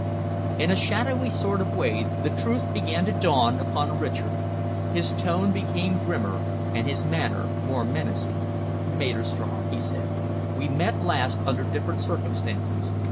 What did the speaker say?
In a shadowy sort of way the truth began to dawn upon Richard. His tone became grimmer and his manner more menacing. "Maderstrom," he said, "we met last under different circumstances.